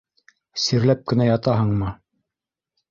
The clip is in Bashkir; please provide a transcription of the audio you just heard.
Сирләп кенә ятаһыңмы